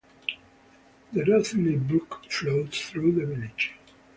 The Rothley Brook flows through the village.